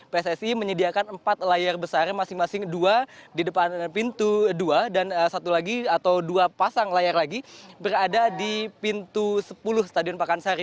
pssi menyediakan empat layar besar masing masing dua di depan pintu dua dan satu lagi atau dua pasang layar lagi berada di pintu sepuluh stadion pakansari